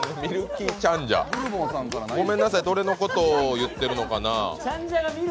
ごめんなさい、どれのことを言っているのかな。